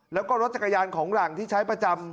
แล้วก็รถจักรยานของหลังที่ใช้ประจำ